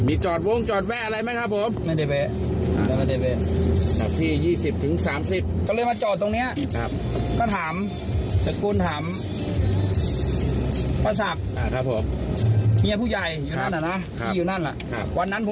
มีจอดวงจอดแวะอะไรไหมครับผม